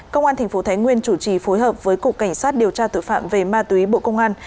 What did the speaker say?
công an tp thái nguyên chủ trì phối hợp với cục cảnh sát điều tra tội phạm về ma túy bộ công an